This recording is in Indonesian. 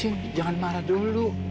eh cint jangan marah dulu